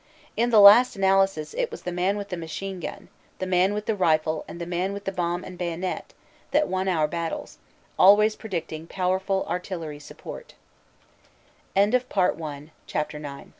In the last analysis it was the man with the machine gun, the man with the rifle and the man with the bomb and bayonet, that won our battles; always predicating powerful artillery suppor